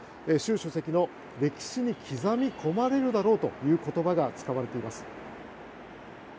習主席の歴史に刻み込まれるだろうという言葉が使われています。